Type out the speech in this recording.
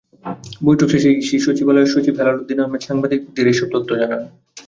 বৈঠক শেষে ইসি সচিবালয়ের সচিব হেলালুদ্দীন আহমদ সাংবাদিকদের এসব তথ্য জানান।